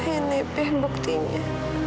ini pei buktinya